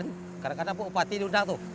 dan kadang kadang bu upati diundang tuh